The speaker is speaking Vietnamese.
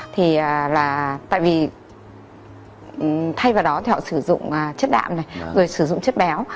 tại vì thay vào đó thì họ sử dụng chất đạm rồi sử dụng chất béo